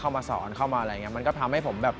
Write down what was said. มาสอนเข้ามาอะไรอย่างเงี้มันก็ทำให้ผมแบบ